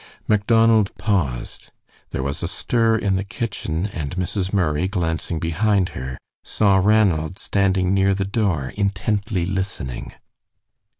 Macdonald paused. There was a stir in the kitchen, and Mrs. Murray, glancing behind her, saw Ranald standing near the door intently listening.